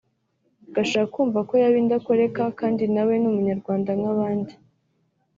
agashaka kumva ko yaba indakoreka kandi nawe ni umunyarwanda nk’abandi